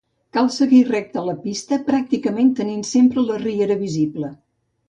Cal seguir recte la pista, pràcticament tenint sempre la riera visible.